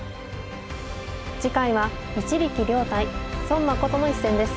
次回は一力遼対孫の一戦です。